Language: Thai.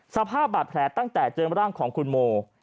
สภาพบาดแผลตั้งแต่เจอร่างของคุณโม